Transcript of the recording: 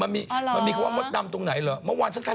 พี่ไม่ไป